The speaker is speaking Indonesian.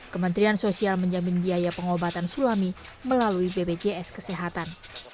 kementerian sosial menjamin biaya pengobatan sulami melalui bpjs kesehatan